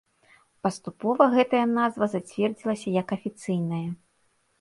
Паступова гэтая назва зацвердзілася як афіцыйная.